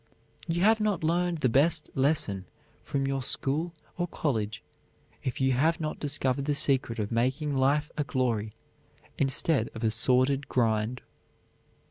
You have not learned the best lesson from your school or college if you have not discovered the secret of making life a glory instead of a sordid grind.